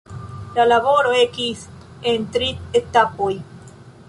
La laboro ekis en tri etapoj.